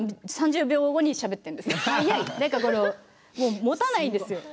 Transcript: ３０秒後にしゃべっているんです。